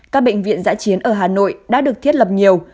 các bệnh viện giã chiến ở hà nội đã được thiết lập nhiều